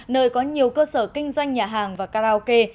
nơi có nhiều cơ sở kinh doanh nhà hàng và karaoke